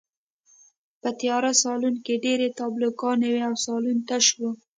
په تیاره سالون کې ډېرې تابلوګانې وې او سالون تش و